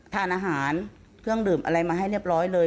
ทานอาหารเครื่องดื่มอะไรมาให้เรียบร้อยเลย